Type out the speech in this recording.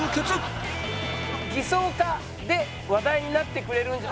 「偽装か」で話題になってくれるんじゃ。